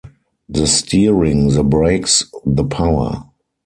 The steering, the brakes, the power.